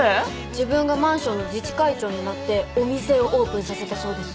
自分がマンションの自治会長になってお店をオープンさせたそうです。